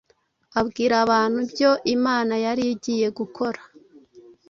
abwira abantu ibyo Imana yari igiye gukora